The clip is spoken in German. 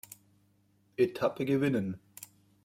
Etappe gewinnen.